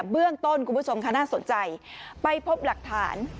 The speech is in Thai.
เบื้องต้นคุณผู้ชมค่าน่าสนใจไปพบหลักฐาน